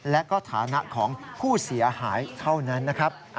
และก็ฐานะของผู้เสียหายเท่านั้นนะครับ